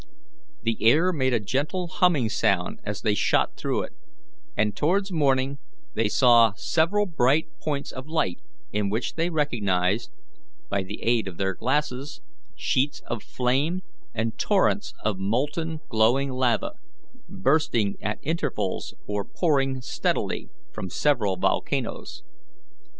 The air made a gentle humming sound as they shot through it, and towards morning they saw several bright points of light in which they recognized, by the aid of their glasses, sheets of flame and torrents of molten glowing lava, bursting at intervals or pouring steadily from several volcanoes.